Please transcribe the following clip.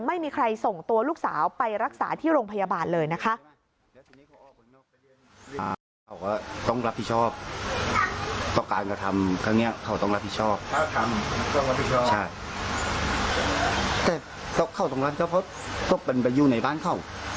ไม่มีใครส่งตัวลูกสาวไปรักษาที่โรงพยาบาลเลยนะคะ